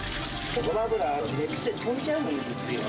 ごま油は熱で飛んじゃうんですよね。